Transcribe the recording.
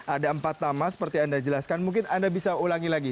ada empat nama seperti anda jelaskan mungkin anda bisa ulangi lagi